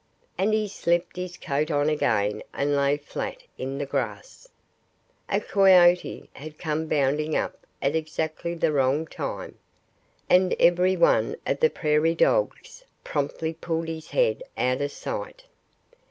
And he slipped his coat on again, and lay flat in the grass. A coyote had come bounding up at exactly the wrong time! And every one of the prairie dogs promptly pulled his head out of sight.